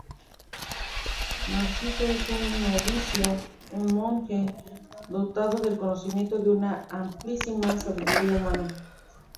Narciso es un novicio, un monje, dotado del conocimiento de una amplísima sabiduría humana.